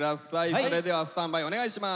それではスタンバイお願いします。